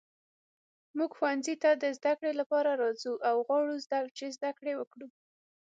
موږ ښوونځي ته د زده کړې لپاره راځو او غواړو چې زده کړې وکړو.